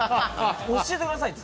教えてくださいって。